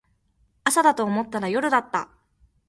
朝だと思ったら夜だった